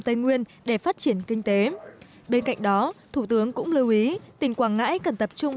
tây nguyên để phát triển kinh tế bên cạnh đó thủ tướng cũng lưu ý tỉnh quảng ngãi cần tập trung